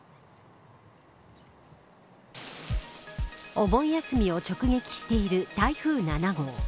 お盆休みを直撃している台風７号。